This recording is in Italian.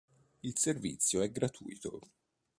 Il servizio è gratuito.